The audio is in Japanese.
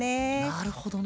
なるほどな。